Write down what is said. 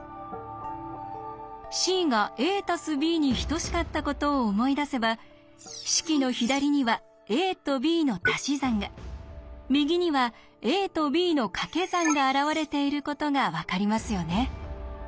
ｃがａ＋ｂに等しかったことを思い出せば式の左にはａとｂのたし算が右にはａとｂのかけ算が現れていることが分かりますよね。